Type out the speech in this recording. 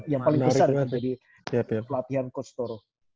yang paling besar di pelatihan coach toro